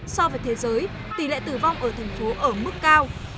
so với thế giới tỷ lệ tử vong ở tp hcm ở mức cao